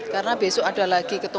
karena besok ada lagi ketutupan